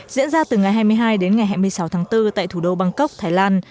diễn ra từ ngày hai mươi hai đến ngày hai mươi sáu tháng bốn tại thủ đô bangkok thái lan